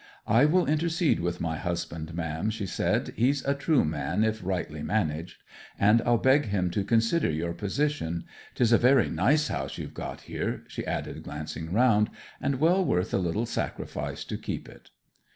'I will intercede with my husband, ma'am,' she said. 'He's a true man if rightly managed; and I'll beg him to consider your position. 'Tis a very nice house you've got here,' she added, glancing round, 'and well worth a little sacrifice to keep it.'